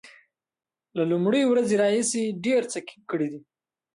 له لومړۍ ورځې راهیسې ډیر څه کړي دي